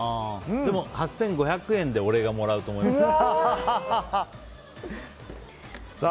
でも、８５００円で俺がもらうと思います。